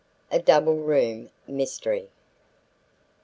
A DOUBLE ROOM MYSTERY.